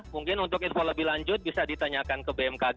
mungkin untuk info lebih lanjut bisa ditanyakan ke bmkg